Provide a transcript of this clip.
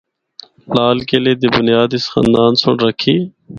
لال قلعے دی بنیاد اس خاندان سنڑ رکھی۔